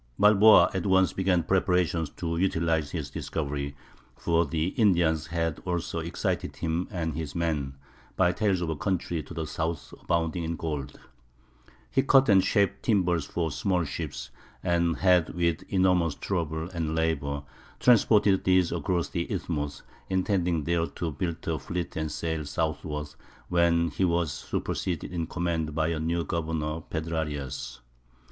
Balboa at once began preparations to utilize his discovery, for the Indians had also excited him and his men by tales of a country to the south abounding in gold. He cut and shaped timbers for small ships, and had with enormous trouble and labor transported these across the isthmus, intending there to build a fleet and sail southward, when he was superseded in command by a new governor, Pedrarias.